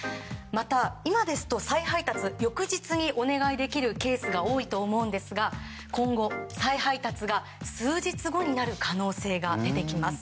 今ですと、再配達を翌日にお願いできるケースがあると思うんですが今後、再配達が数日後になる可能性が出てきます。